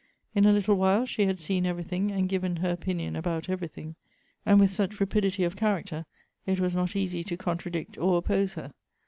In a little while she had seen every thing, and given her opinion about everything ; and with such rapidity of character it was not easy to contradict or oppose her.